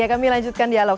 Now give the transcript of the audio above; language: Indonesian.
ya kami lanjutkan dialog